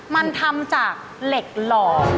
มันทำจากเหล็กหล่อ